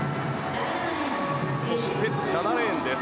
そして７レーンです。